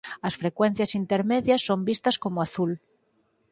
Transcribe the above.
As frecuencias intermedias son vistas como azul